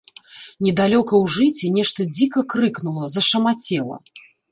Недалёка ў жыце нешта дзіка крыкнула, зашамацела.